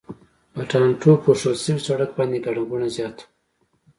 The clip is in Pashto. په ټانټو پوښل شوي سړک باندې ګڼه ګوڼه زیاته وه.